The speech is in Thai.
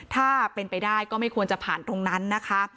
ถ้าเป็นไปได้ก็ไม่ควรจะผ่านตรงนั้นนะคะ